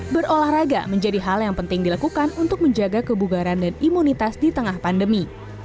berolahraga menjadi hal yang penting dilakukan untuk menjaga kebugaran dan imunitas di tengah pandemi